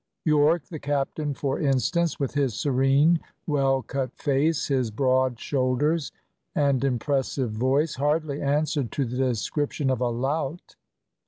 Yorke, the captain, for instance, with his serene, well cut face, his broad shoulders and impressive voice hardly answered to the description of a lout.